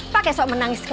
pakai soal menangis